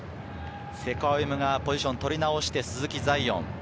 瀬古歩夢がポジションを取り直して鈴木彩艶。